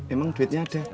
emang duitnya ada